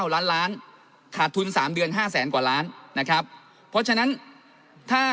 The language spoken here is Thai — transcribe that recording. ล้านล้านขาดทุน๓เดือน๕แสนกว่าล้านนะครับเพราะฉะนั้นถ้า